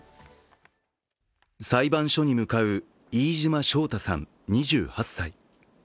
裁判所に向かう飯島章太さん２８歳。